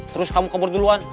terus kamu kabur duluan